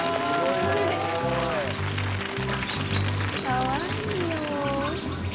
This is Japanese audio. かわいいよ。